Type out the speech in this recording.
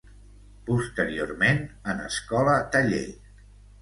Posteriorment, en escola taller.